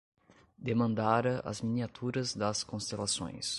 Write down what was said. Demandara as miniaturas das constelações